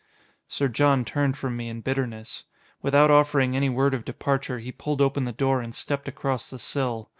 Sir John turned from me in bitterness. Without offering any word of departure, he pulled open the door and stepped across the sill.